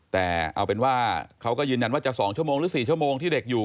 แต่เอาเป็นว่าเขาก็ยืนยันว่าจะ๒ชั่วโมงหรือ๔ชั่วโมงที่เด็กอยู่